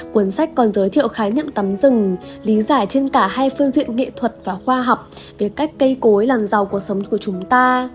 cuốn sách còn giới thiệu khái niệm tắm rừng lý giải trên cả hai phương diện nghệ thuật và khoa học về cách cây cối làm giàu cuộc sống của chúng ta